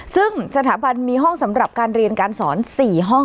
ซึ่งสถาบันมีห้องสำหรับการเรียนการสอน๔ห้อง